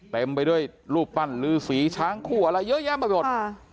เต็มไปด้วยรูปปั้นลือสีช้างคู่อะไรเยอะแยะไปหมด